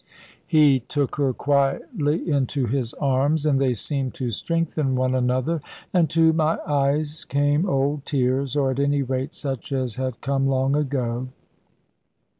He took her quietly into his arms; and they seemed to strengthen one another. And to my eyes came old tears, or at any rate such as had come long ago.